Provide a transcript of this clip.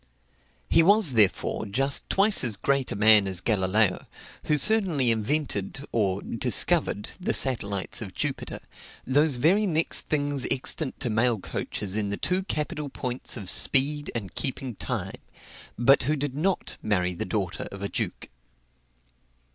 He was, therefore, just twice as great a man as Galileo, who certainly invented (or discovered) the satellites of Jupiter, those very next things extant to mail coaches in the two capital points of speed and keeping time, but who did not marry the daughter of a duke.